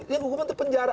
ya hukuman itu penjara